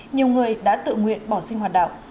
nhiều người đã tự nguyện bỏ sinh hoạt động